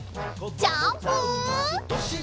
ジャンプ！